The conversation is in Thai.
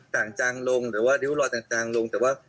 งจางลงหรือว่าริ้วรอยต่างลงแต่ว่า